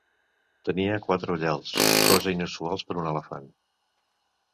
Tenia quatre ullals, cosa inusual per un elefant.